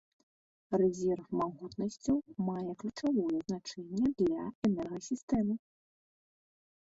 Рэзерв магутнасцяў мае ключавое значэнне для энергасістэмы.